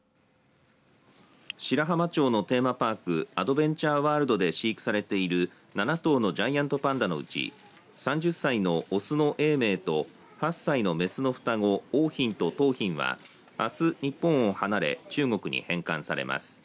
白浜町のテーマパークアドベンチャーワールドで飼育されている７頭のジャイアントパンダのうち３０歳の雄の永明と８歳の雌の双子桜浜と桃浜はあす、日本を離れ中国に返還されます。